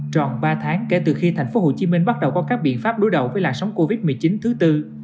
tròn ba tháng kể từ khi tp hcm bắt đầu có các biện pháp đối đầu với làn sóng covid một mươi chín thứ tư